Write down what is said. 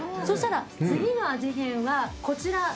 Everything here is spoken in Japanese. そしたら次の味変はこちら。